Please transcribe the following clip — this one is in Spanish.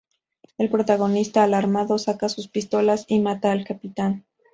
El protagonista, alarmado, saca sus pistolas y mata al capitán.